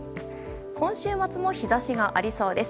今週末も日差しがありそうです。